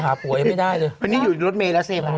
หาผัวยังไม่ได้เลยคนนี้อยู่รถเมล์แล้วเซฟล่ะ